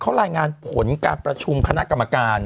เขารายงานผลการประชุมคณะกรรมการ